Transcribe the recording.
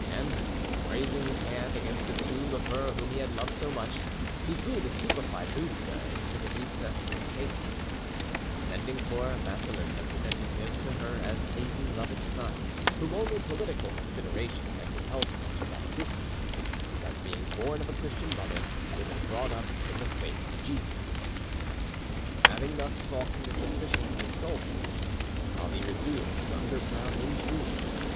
Then, raising his hand against the tomb of her whom he had loved so much, he drew the stupefied Noutza into the recess of a casemate, and sending for Basilissa, presented him to her as a beloved son, whom only political considerations had compelled him to keep at a distance, because, being born of a Christian mother, he had been brought up in the faith of Jesus. Having thus softened the suspicions of his soldiers, Ali resumed his underground intrigues.